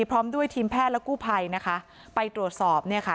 พร้อมด้วยทีมแพทย์และกู้ภัยนะคะไปตรวจสอบเนี่ยค่ะ